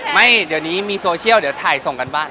ไม่เดี๋ยวนี้มีโซเชียลเดี๋ยวถ่ายส่งกันบ้าง